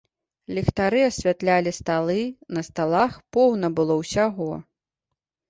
Ліхтары асвятлялі сталы, на сталах поўна было ўсяго.